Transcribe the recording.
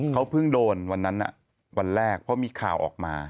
เขาเพิ่งโดนวันนั้นวันแรกเพราะมีข่าวออกมา